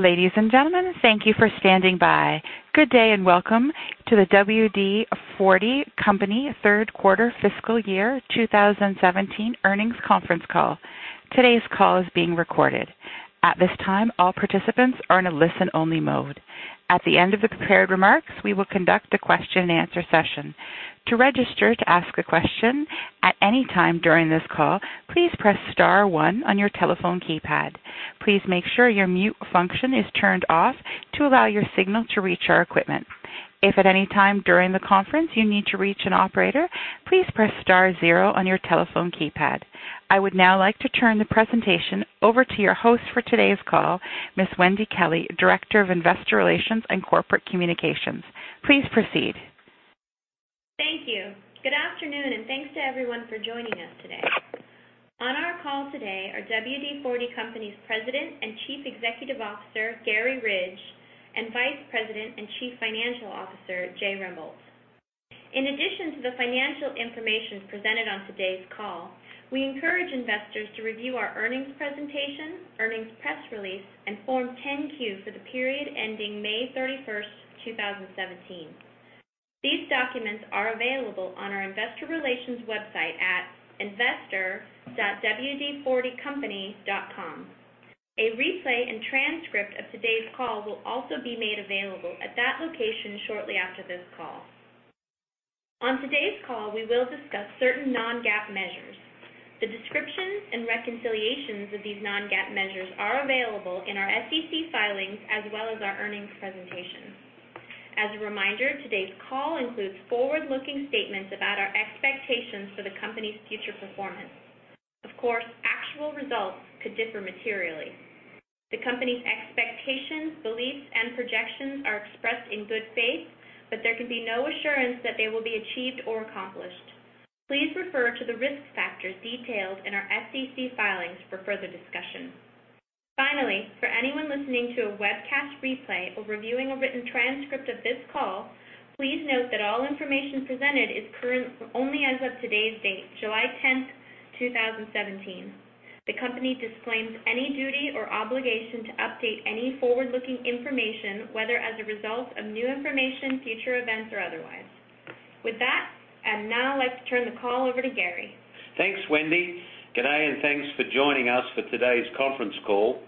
Ladies and gentlemen, thank you for standing by. Good day and welcome to the WD-40 Company third quarter fiscal year 2017 earnings conference call. Today's call is being recorded. At this time, all participants are in a listen-only mode. At the end of the prepared remarks, we will conduct a question and answer session. To register to ask a question at any time during this call, please press star one on your telephone keypad. Please make sure your mute function is turned off to allow your signal to reach our equipment. If at any time during the conference you need to reach an operator, please press star zero on your telephone keypad. I would now like to turn the presentation over to your host for today's call, Ms. Wendy Kelley, Director of Investor Relations and Corporate Communications. Please proceed. Thank you. Good afternoon, thanks to everyone for joining us today. On our call today are WD-40 Company's President and Chief Executive Officer, Garry Ridge, and Vice President and Chief Financial Officer, Jay Rembold. In addition to the financial information presented on today's call, we encourage investors to review our earnings presentation, earnings press release, and Form 10-Q for the period ending May 31st, 2017. These documents are available on our investor relations website at investor.wd40company.com. A replay and transcript of today's call will also be made available at that location shortly after this call. On today's call, we will discuss certain non-GAAP measures. The descriptions and reconciliations of these non-GAAP measures are available in our SEC filings as well as our earnings presentation. As a reminder, today's call includes forward-looking statements about our expectations for the company's future performance. Of course, actual results could differ materially. The company's expectations, beliefs, and projections are expressed in good faith, there can be no assurance that they will be achieved or accomplished. Please refer to the risk factors detailed in our SEC filings for further discussion. For anyone listening to a webcast replay or reviewing a written transcript of this call, please note that all information presented is current only as of today's date, July 10th, 2017. The company disclaims any duty or obligation to update any forward-looking information, whether as a result of new information, future events, or otherwise. I'd now like to turn the call over to Garry. Thanks, Wendy. Good day and thanks for joining us for today's conference call.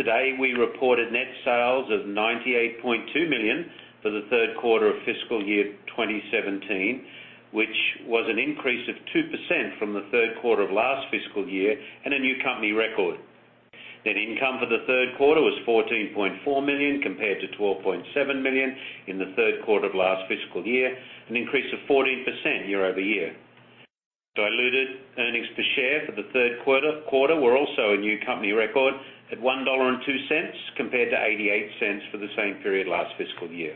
Today, we reported net sales of $98.2 million for the third quarter of fiscal year 2017, which was an increase of 2% from the third quarter of last fiscal year and a new company record. Net income for the third quarter was $14.4 million compared to $12.7 million in the third quarter of last fiscal year, an increase of 14% year-over-year. Diluted earnings per share for the third quarter were also a new company record at $1.02 compared to $0.88 for the same period last fiscal year.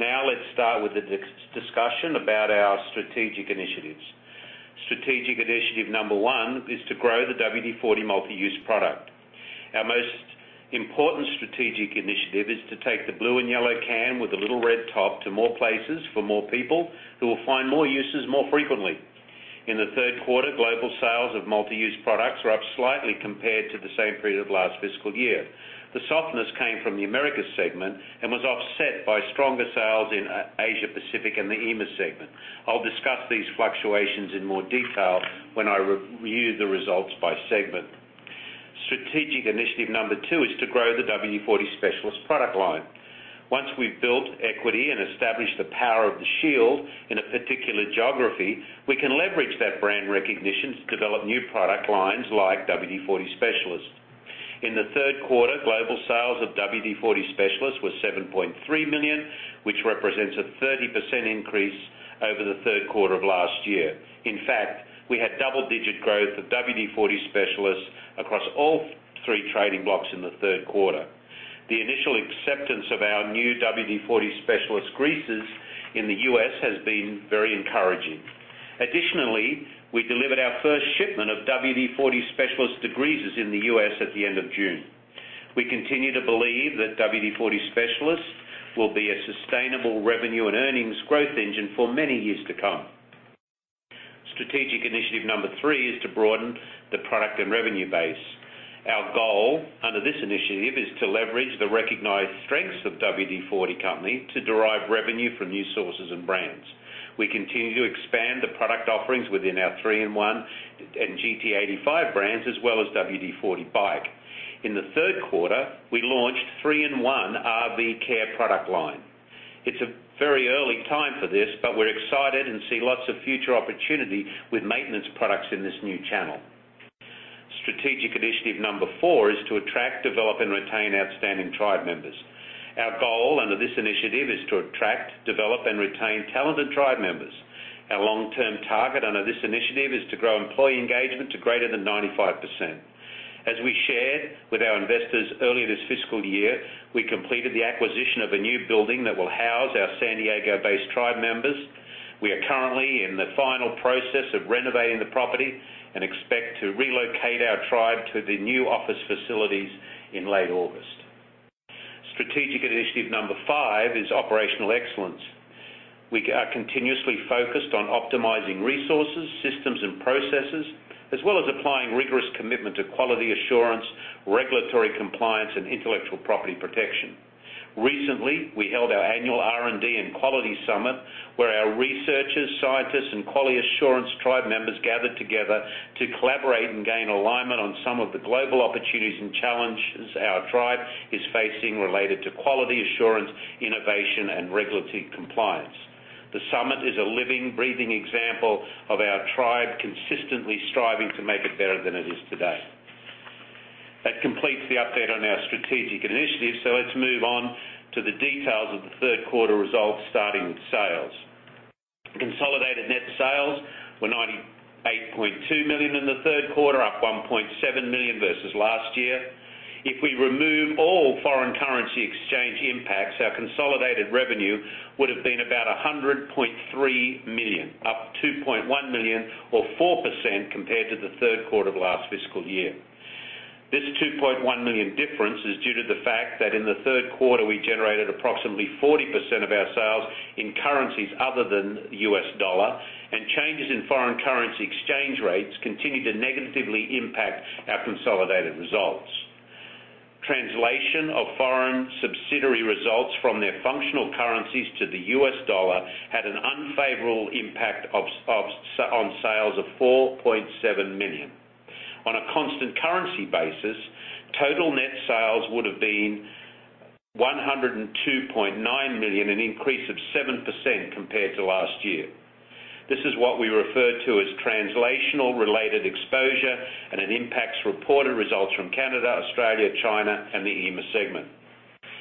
Let's start with a discussion about our strategic initiatives. Strategic initiative number one is to grow the WD-40 Multi-Use Product. Our most important strategic initiative is to take the blue and yellow can with the little red top to more places for more people who will find more uses more frequently. In the third quarter, global sales of WD-40 Multi-Use Product were up slightly compared to the same period of last fiscal year. The softness came from the Americas segment and was offset by stronger sales in Asia Pacific and the EMEA segment. I'll discuss these fluctuations in more detail when I review the results by segment. Strategic initiative number two is to grow the WD-40 Specialist product line. Once we've built equity and established the power of the shield in a particular geography, we can leverage that brand recognition to develop new product lines like WD-40 Specialist. In the third quarter, global sales of WD-40 Specialist were $7.3 million, which represents a 30% increase over the third quarter of last year. In fact, we had double-digit growth of WD-40 Specialist across all three trading blocks in the third quarter. The initial acceptance of our new WD-40 Specialist Greases in the U.S. has been very encouraging. Additionally, we delivered our first shipment of WD-40 Specialist Degreaser in the U.S. at the end of June. We continue to believe that WD-40 Specialist will be a sustainable revenue and earnings growth engine for many years to come. Strategic initiative number three is to broaden the product and revenue base. Our goal under this initiative is to leverage the recognized strengths of WD-40 Company to derive revenue from new sources and brands. We continue to expand the product offerings within our 3-IN-ONE and GT85 brands, as well as WD-40 BIKE. In the third quarter, we launched 3-IN-ONE RVcare product line. It's a very early time for this, but we're excited and see lots of future opportunity with maintenance products in this new channel. Strategic initiative number four is to attract, develop, and retain outstanding tribe members. Our goal under this initiative is to attract, develop, and retain talented tribe members. Our long-term target under this initiative is to grow employee engagement to greater than 95%. As we shared with our investors earlier this fiscal year, we completed the acquisition of a new building that will house our San Diego-based tribe members. We are currently in the final process of renovating the property and expect to relocate our tribe to the new office facilities in late August. Strategic initiative number five is operational excellence. We are continuously focused on optimizing resources, systems, and processes, as well as applying rigorous commitment to quality assurance, regulatory compliance, and intellectual property protection. Recently, we held our annual R&D and quality summit, where our researchers, scientists, and quality assurance tribe members gathered together to collaborate and gain alignment on some of the global opportunities and challenges our tribe is facing related to quality assurance, innovation, and regulatory compliance. The summit is a living, breathing example of our tribe consistently striving to make it better than it is today. That completes the update on our strategic initiatives. Let's move on to the details of the third quarter results, starting with sales. Consolidated net sales were $98.2 million in the third quarter, up $1.7 million versus last year. If we remove all foreign currency exchange impacts, our consolidated revenue would have been about $100.3 million, up $2.1 million or 4% compared to the third quarter of last fiscal year. This $2.1 million difference is due to the fact that in the third quarter, we generated approximately 40% of our sales in currencies other than U.S. dollar, and changes in foreign currency exchange rates continued to negatively impact our consolidated results. Translation of foreign subsidiary results from their functional currencies to the U.S. dollar had an unfavorable impact on sales of $4.7 million. On a constant currency basis, total net sales would have been $102.9 million, an increase of 7% compared to last year. This is what we refer to as translational related exposure and it impacts reported results from Canada, Australia, China, and the EMEA segment.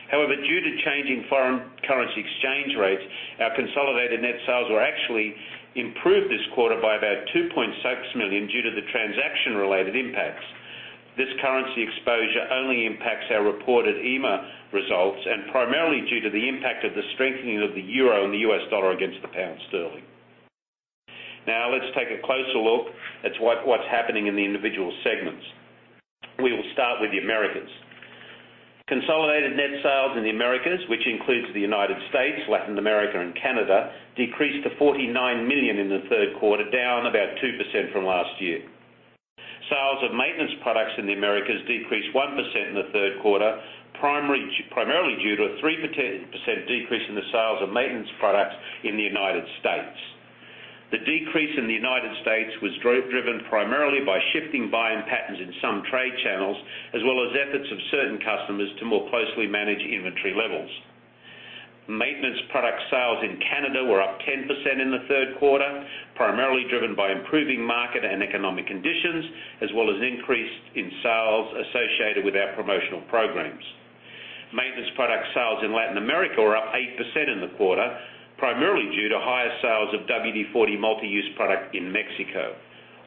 Due to changing foreign currency exchange rates, our consolidated net sales were actually improved this quarter by about $2.6 million due to the transaction-related impacts. This currency exposure only impacts our reported EMEA results and primarily due to the impact of the strengthening of the euro and the U.S. dollar against the pound sterling. Let's take a closer look at what's happening in the individual segments. We will start with the Americas. Consolidated net sales in the Americas, which includes the United States, Latin America, and Canada, decreased to $49 million in the third quarter, down about 2% from last year. Sales of maintenance products in the Americas decreased 1% in the third quarter, primarily due to a 3% decrease in the sales of maintenance products in the United States. The decrease in the United States was driven primarily by shifting buying patterns in some trade channels, as well as efforts of certain customers to more closely manage inventory levels. Maintenance product sales in Canada were up 10% in the third quarter, primarily driven by improving market and economic conditions, as well as an increase in sales associated with our promotional programs. Maintenance product sales in Latin America were up 8% in the quarter, primarily due to higher sales of WD-40 Multi-Use Product in Mexico.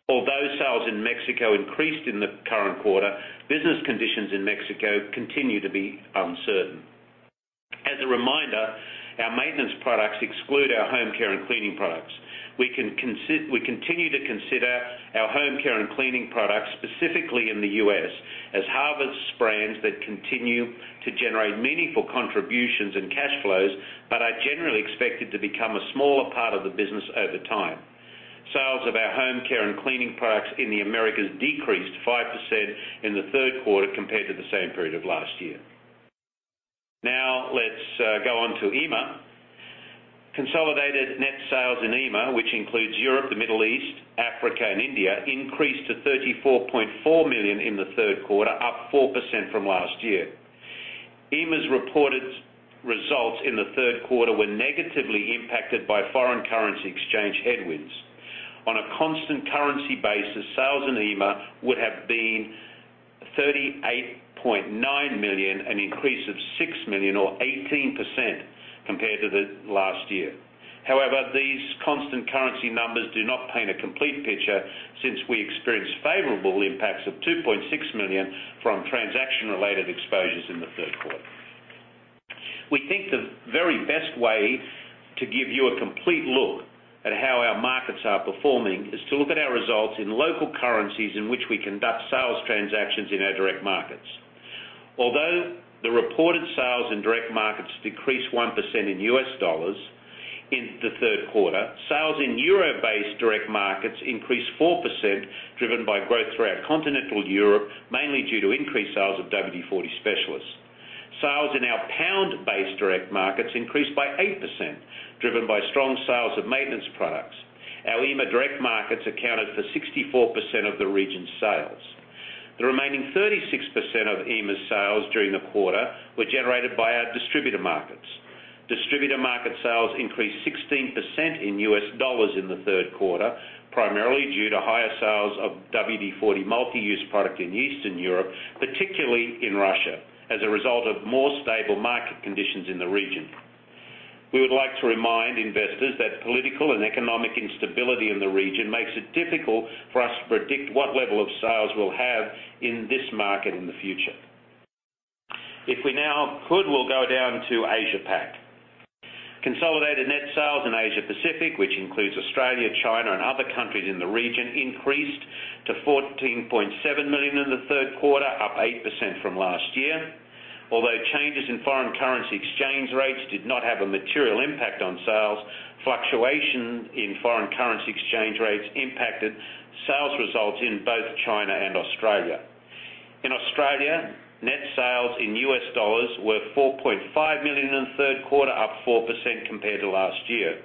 Although sales in Mexico increased in the current quarter, business conditions in Mexico continue to be uncertain. As a reminder, our maintenance products exclude our home care and cleaning products. We continue to consider our home care and cleaning products, specifically in the U.S., as Harvest brands that continue to generate meaningful contributions and cash flows, but are generally expected to become a smaller part of the business over time. Sales of our home care and cleaning products in the Americas decreased 5% in the third quarter compared to the same period of last year. Let's go on to EMEA. Consolidated net sales in EMEA, which includes Europe, the Middle East, Africa, and India, increased to $34.4 million in the third quarter, up 4% from last year. EMEA's reported results in the third quarter were negatively impacted by foreign currency exchange headwinds. On a constant currency basis, sales in EMEA would have been $38.9 million, an increase of $6 million or 18% compared to the last year. These constant currency numbers do not paint a complete picture since we experienced favorable impacts of $2.6 million from transaction-related exposures in the Q3. We think the very best way to give you a complete look at how our markets are performing is to look at our results in local currencies in which we conduct sales transactions in our direct markets. Although the reported sales in direct markets decreased 1% in U.S. dollars in the Q3, sales in euro-based direct markets increased 4%, driven by growth throughout continental Europe, mainly due to increased sales of WD-40 Specialist. Sales in our pound-based direct markets increased by 8%, driven by strong sales of maintenance products. Our EMEA direct markets accounted for 64% of the region's sales. The remaining 36% of EMEA's sales during the quarter were generated by our distributor markets. Distributor market sales increased 16% in U.S. dollars in the Q3, primarily due to higher sales of WD-40 Multi-Use Product in Eastern Europe, particularly in Russia, as a result of more stable market conditions in the region. We would like to remind investors that political and economic instability in the region makes it difficult for us to predict what level of sales we'll have in this market in the future. If we now could, we'll go down to Asia Pac. Consolidated net sales in Asia Pacific, which includes Australia, China, and other countries in the region, increased to $14.7 million in the Q3, up 8% from last year. Although changes in foreign currency exchange rates did not have a material impact on sales, fluctuation in foreign currency exchange rates impacted sales results in both China and Australia. In Australia, net sales in U.S. dollars were $4.5 million in the Q3, up 4% compared to last year.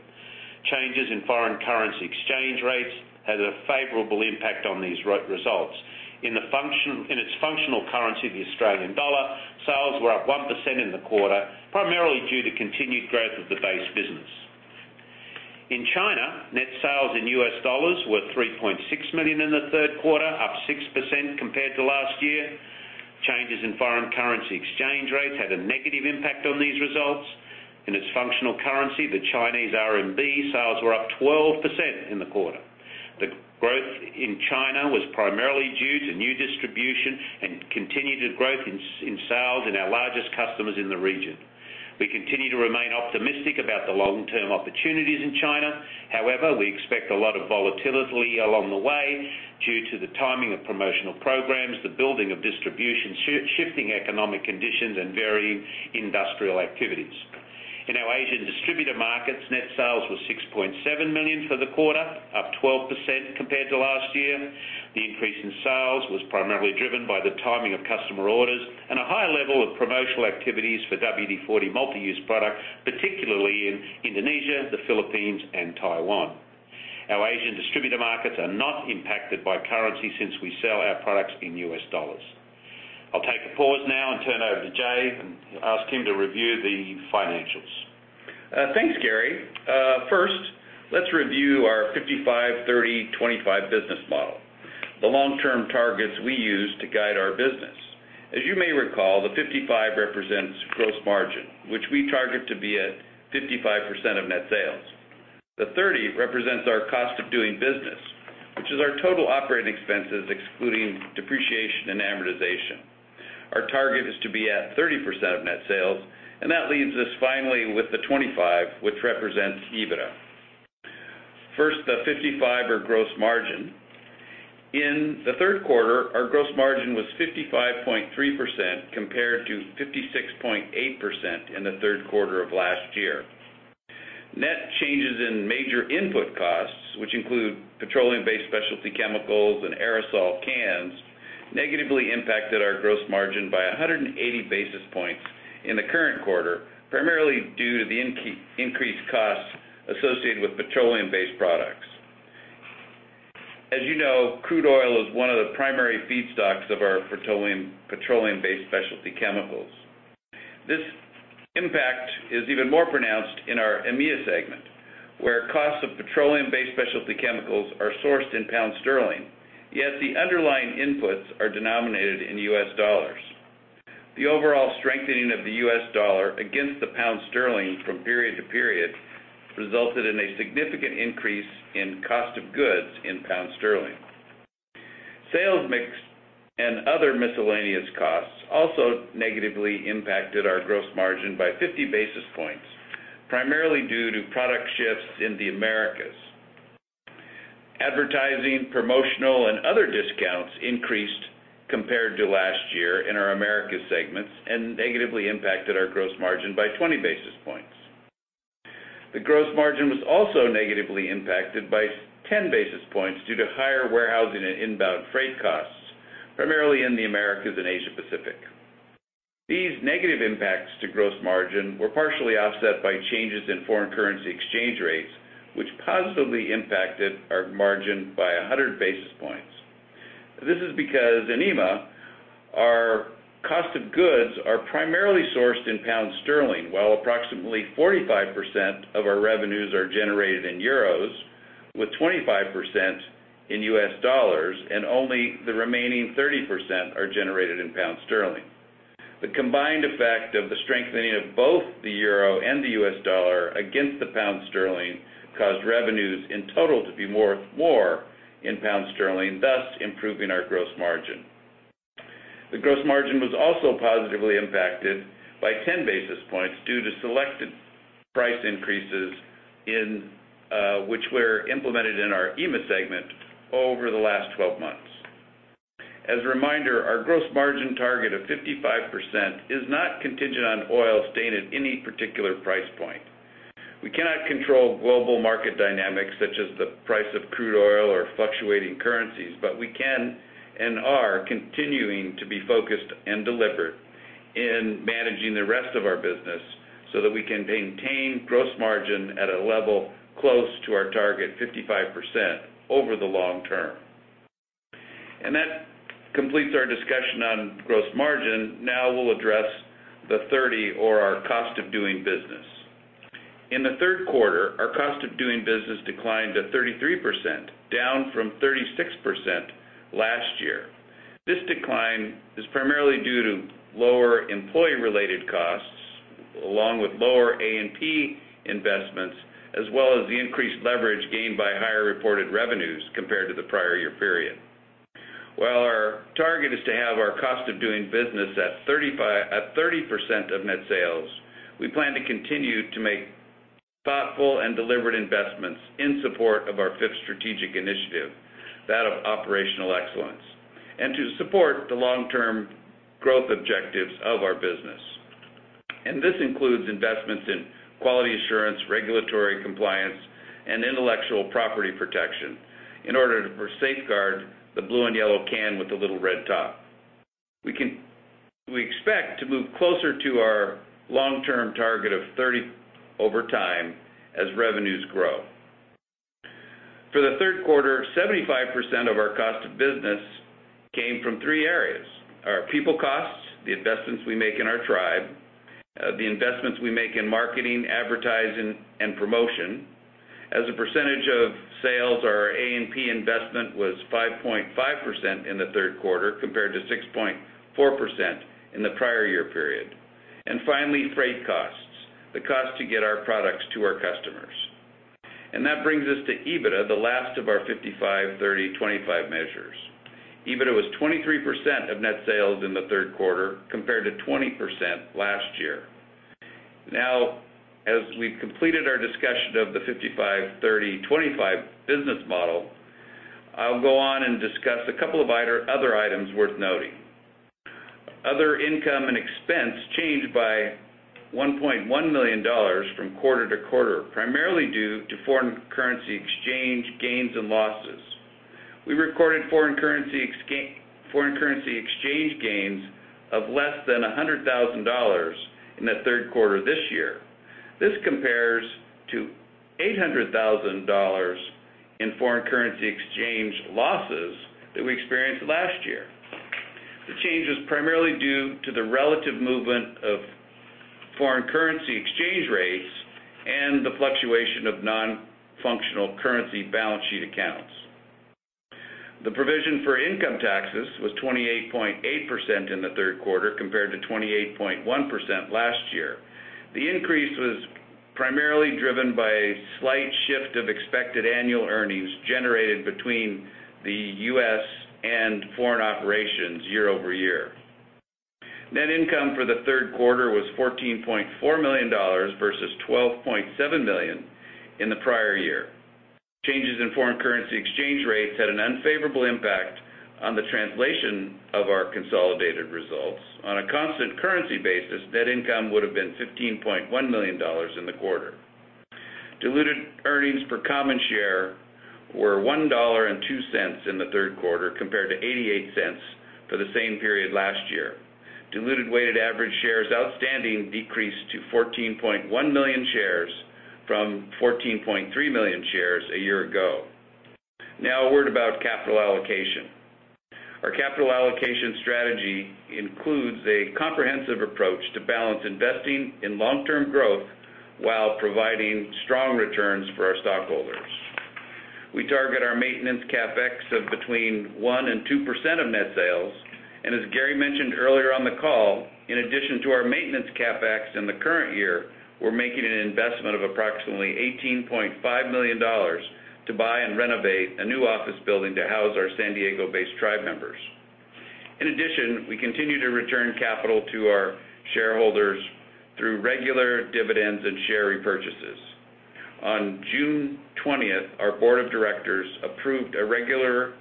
Changes in foreign currency exchange rates had a favorable impact on these results. In its functional currency, the Australian dollar, sales were up 1% in the quarter, primarily due to continued growth of the base business. In China, net sales in U.S. dollars were $3.6 million in the Q3, up 6% compared to last year. Changes in foreign currency exchange rates had a negative impact on these results. In its functional currency, the Chinese RMB, sales were up 12% in the quarter. The growth in China was primarily due to new distribution and continued growth in sales in our largest customers in the region. We continue to remain optimistic about the long-term opportunities in China. We expect a lot of volatility along the way due to the timing of promotional programs, the building of distribution, shifting economic conditions, and varying industrial activities. In our Asian distributor markets, net sales were $6.7 million for the quarter, up 12% compared to last year. The increase in sales was primarily driven by the timing of customer orders and a high level of promotional activities for WD-40 Multi-Use Product, particularly in Indonesia, the Philippines, and Taiwan. Our Asian distributor markets are not impacted by currency since we sell our products in U.S. dollars. I'll take a pause now and turn over to Jay and ask him to review the financials. Thanks, Garry. First, let's review our 55/30/25 business model, the long-term targets we use to guide our business. As you may recall, the 55 represents gross margin, which we target to be at 55% of net sales. The 30 represents our cost of doing business, which is our total operating expenses, excluding depreciation and amortization. Our target is to be at 30% of net sales, and that leaves us finally with the 25, which represents EBITDA. First, the 55 or gross margin. In the third quarter, our gross margin was 55.3% compared to 56.8% in the third quarter of last year. Net changes in major input costs, which include petroleum-based specialty chemicals and aerosol cans, negatively impacted our gross margin by 180 basis points in the current quarter, primarily due to the increased costs associated with petroleum-based products. As you know, crude oil is one of the primary feedstocks of our petroleum-based specialty chemicals. This impact is even more pronounced in our EMEA segment, where costs of petroleum-based specialty chemicals are sourced in pound sterling, yet the underlying inputs are denominated in US dollars. The overall strengthening of the US dollar against the pound sterling from period to period resulted in a significant increase in cost of goods in pound sterling. Sales mix and other miscellaneous costs also negatively impacted our gross margin by 50 basis points, primarily due to product shifts in the Americas. Advertising, promotional, and other discounts increased compared to last year in our Americas segments and negatively impacted our gross margin by 20 basis points. The gross margin was also negatively impacted by 10 basis points due to higher warehousing and inbound freight costs, primarily in the Americas and Asia Pacific. These negative impacts to gross margin were partially offset by changes in foreign currency exchange rates, which positively impacted our margin by 100 basis points. This is because in EMEA, our cost of goods are primarily sourced in pound sterling, while approximately 45% of our revenues are generated in euros, with 25% in US dollars, and only the remaining 30% are generated in pound sterling. The combined effect of the strengthening of both the euro and the US dollar against the pound sterling caused revenues in total to be more in pound sterling, thus improving our gross margin. The gross margin was also positively impacted by 10 basis points due to selected price increases which were implemented in our EMEA segment over the last 12 months. As a reminder, our gross margin target of 55% is not contingent on oil staying at any particular price point. We cannot control global market dynamics such as the price of crude oil or fluctuating currencies, but we can and are continuing to be focused and deliberate in managing the rest of our business so that we can maintain gross margin at a level close to our target 55% over the long term. That completes our discussion on gross margin. Now we'll address the 30 or our cost of doing business. In the third quarter, our cost of doing business declined to 33%, down from 36% last year. This decline is primarily due to lower employee-related costs, along with lower A&P investments, as well as the increased leverage gained by higher reported revenues compared to the prior year period. While our target is to have our cost of doing business at 30% of net sales, we plan to continue to make thoughtful and deliberate investments in support of our fifth strategic initiative, that of operational excellence, and to support the long-term growth objectives of our business. This includes investments in quality assurance, regulatory compliance, and intellectual property protection in order to safeguard the blue and yellow can with the little red top. We expect to move closer to our long-term target of 30 over time as revenues grow. For the third quarter, 75% of our cost of business came from three areas. Our people costs, the investments we make in our tribe, the investments we make in marketing, advertising, and promotion. As a percentage of sales, our A&P investment was 5.5% in the third quarter compared to 6.4% in the prior year period. Finally, freight costs, the cost to get our products to our customers. That brings us to EBITDA, the last of our 55/30/25 measures. EBITDA was 23% of net sales in the third quarter compared to 20% last year. As we've completed our discussion of the 55/30/25 business model, I'll go on and discuss a couple of other items worth noting. Other income and expense changed by $1.1 million from quarter to quarter, primarily due to foreign currency exchange gains and losses. We recorded foreign currency exchange gains of less than $100,000 in the third quarter this year. This compares to $800,000 in foreign currency exchange losses that we experienced last year. The change is primarily due to the relative movement of foreign currency exchange rates and the fluctuation of non-functional currency balance sheet accounts. The provision for income taxes was 28.8% in the third quarter, compared to 28.1% last year. The increase was primarily driven by a slight shift of expected annual earnings generated between the U.S. and foreign operations year-over-year. Net income for the third quarter was $14.4 million versus $12.7 million in the prior year. Changes in foreign currency exchange rates had an unfavorable impact on the translation of our consolidated results. On a constant currency basis, net income would have been $15.1 million in the quarter. Diluted earnings per common share were $1.02 in the third quarter, compared to $0.88 for the same period last year. Diluted weighted average shares outstanding decreased to 14.1 million shares from 14.3 million shares a year ago. A word about capital allocation. Our capital allocation strategy includes a comprehensive approach to balance investing in long-term growth while providing strong returns for our stockholders. We target our maintenance CapEx of between 1% and 2% of net sales. As Garry mentioned earlier on the call, in addition to our maintenance CapEx in the current year, we're making an investment of approximately $18.5 million to buy and renovate a new office building to house our San Diego-based tribe members. On June 20th, our board of directors approved a regular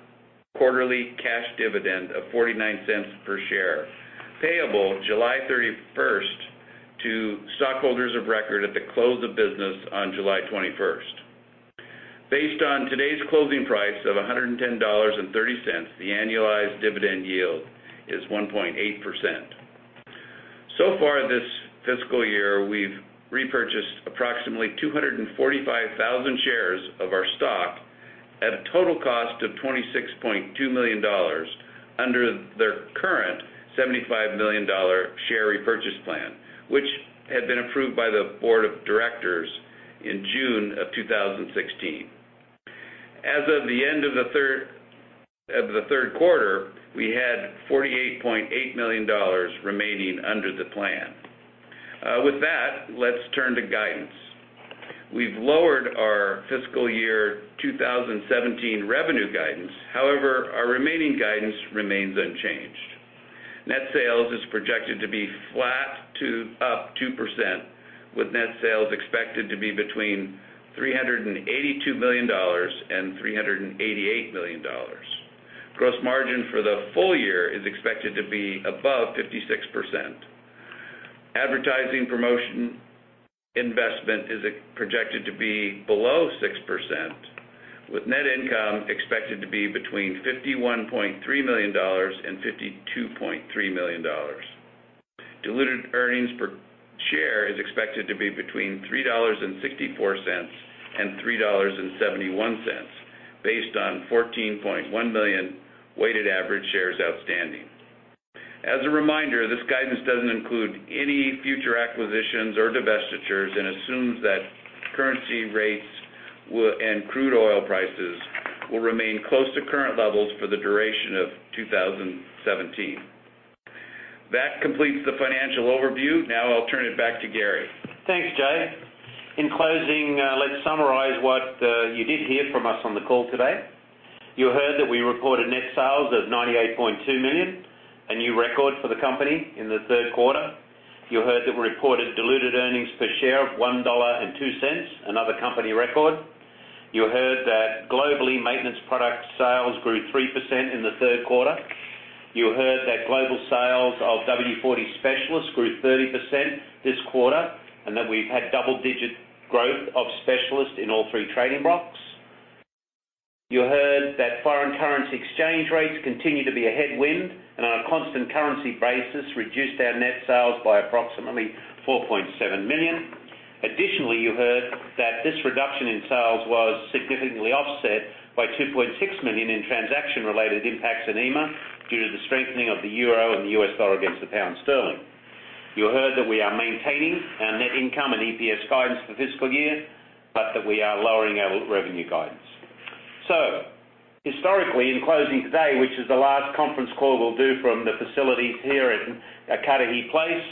quarterly cash dividend of $0.49 per share, payable July 31st to stockholders of record at the close of business on July 21st. Based on today's closing price of $110.30, the annualized dividend yield is 1.8%. We've repurchased approximately 245,000 shares of our stock at a total cost of $26.2 million under the current $75 million share repurchase plan, which had been approved by the board of directors in June of 2016. As of the end of the third quarter, we had $48.8 million remaining under the plan. With that, let's turn to guidance. We've lowered our fiscal year 2017 revenue guidance. However, our remaining guidance remains unchanged. Net sales is projected to be flat to up 2%, with net sales expected to be between $382 million and $388 million. Gross margin for the full year is expected to be above 56%. Advertising promotion investment is projected to be below 6%, with net income expected to be between $51.3 million and $52.3 million. Diluted earnings per share is expected to be between $3.64 and $3.71, based on 14.1 million weighted average shares outstanding. As a reminder, this guidance doesn't include any future acquisitions or divestitures and assumes that currency rates and crude oil prices will remain close to current levels for the duration of 2017. That completes the financial overview. Now I'll turn it back to Garry. Thanks, Jay. In closing, let's summarize. You did hear from us on the call today. You heard that we reported net sales of $98.2 million, a new record for the company in the third quarter. You heard that we reported diluted earnings per share of $1.02, another company record. You heard that globally, maintenance product sales grew 3% in the third quarter. You heard that global sales of WD-40 Specialist grew 30% this quarter, and that we've had double-digit growth of Specialist in all three trading blocks. You heard that foreign currency exchange rates continue to be a headwind, and on a constant currency basis, reduced our net sales by approximately $4.7 million. Additionally, you heard that this reduction in sales was significantly offset by $2.6 million in transaction-related impacts in EIMEA due to the strengthening of the EUR and the USD against the GBP. You heard that we are maintaining our net income and EPS guidance for the fiscal year, but that we are lowering our revenue guidance. Historically, in closing today, which is the last conference call we'll do from the facilities here at Cudahy Place,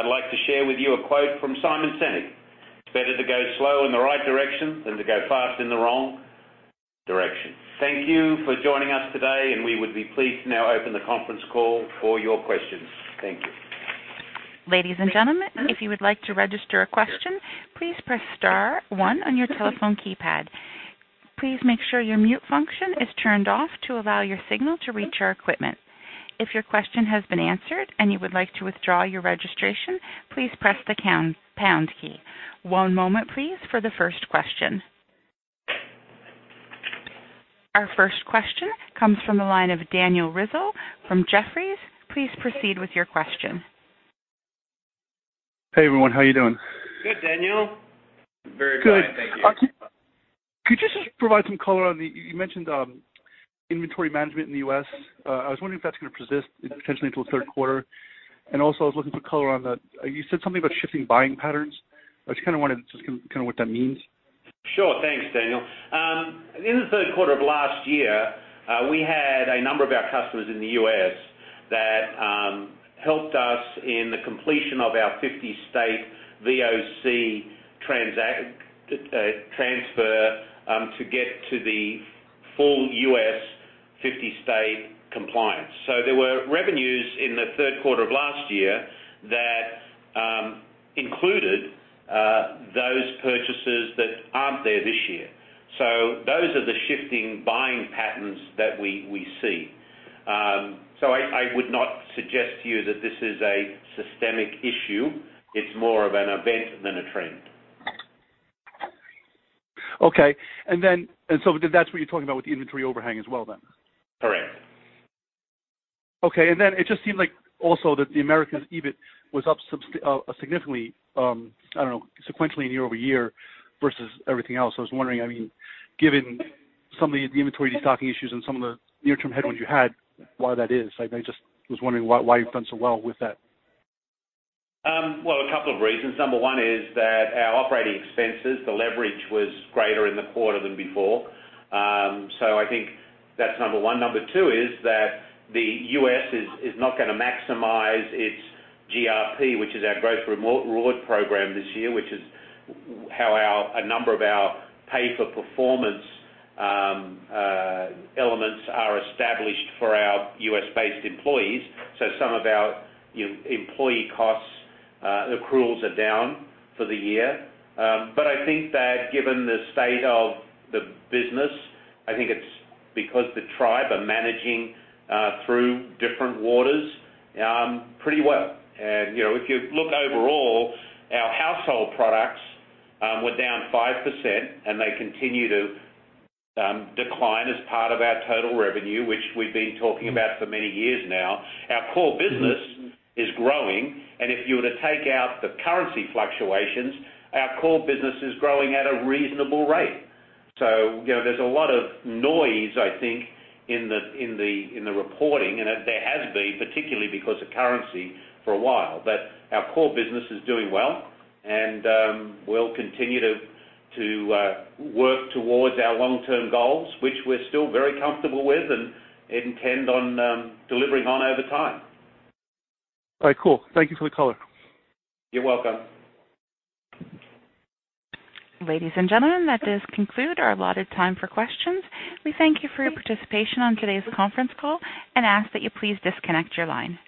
I'd like to share with you a quote from Simon Sinek. "It's better to go slow in the right direction than to go fast in the wrong direction." Thank you for joining us today, and we would be pleased to now open the conference call for your questions. Thank you. Ladies and gentlemen, if you would like to register a question, please press star one on your telephone keypad. Please make sure your mute function is turned off to allow your signal to reach our equipment. If your question has been answered and you would like to withdraw your registration, please press the pound key. One moment please for the first question. Our first question comes from the line of Daniel Rizzo from Jefferies. Please proceed with your question. Hey, everyone. How are you doing? Good, Daniel. Very quiet, thank you. Good. Could you just provide some color on the You mentioned inventory management in the U.S. I was wondering if that's going to persist potentially into the third quarter. Also, I was looking for color on the You said something about shifting buying patterns. I just wanted, just kind of what that means. Sure. Thanks, Daniel. In the third quarter of last year, we had a number of our customers in the U.S. that helped us in the completion of our 50-state VOC transfer to get to the full U.S. 50-state compliance. There were revenues in the third quarter of last year that included those purchases that aren't there this year. Those are the shifting buying patterns that we see. I would not suggest to you that this is a systemic issue. It's more of an event than a trend. Okay. That's what you're talking about with the inventory overhang as well then? Correct. Okay. It just seemed like also that the Americas EBIT was up significantly, I don't know, sequentially year-over-year versus everything else. I was wondering, given some of the inventory stocking issues and some of the near-term headwinds you had, why that is. I just was wondering why you've done so well with that. One is that our operating expenses, the leverage was greater in the quarter than before. I think that's one. Two is that the U.S. is not going to maximize its GRP, which is our Growth Reward Program this year, which is how a number of our pay for performance elements are established for our U.S.-based employees. Some of our employee costs accruals are down for the year. I think that given the state of the business, I think it's because the tribe are managing through different waters pretty well. If you look overall, our household products were down 5%, and they continue to decline as part of our total revenue, which we've been talking about for many years now. Our core business is growing, if you were to take out the currency fluctuations, our core business is growing at a reasonable rate. There's a lot of noise, I think, in the reporting, and there has been, particularly because of currency for a while. Our core business is doing well, and we'll continue to work towards our long-term goals, which we're still very comfortable with and intend on delivering on over time. All right, cool. Thank you for the color. You're welcome. Ladies and gentlemen, that does conclude our allotted time for questions. We thank you for your participation on today's conference call and ask that you please disconnect your line.